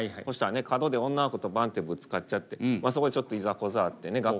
そしたらね角で女の子とバンッてぶつかっちゃってそこでちょっといざこざあってね